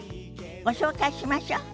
ご紹介しましょ。